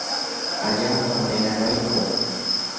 allaapa milanaykuu.